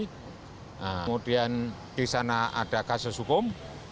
kemudian disana ada kasus hukum